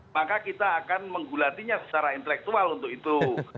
maka kita akan menggulatinya secara intelektual untuk itu